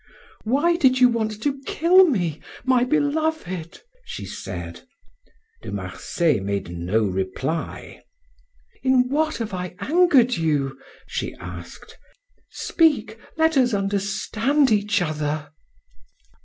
"Why did you want to kill me, my beloved?" she said. De Marsay made no reply. "In what have I angered you?" she asked. "Speak, let us understand each other."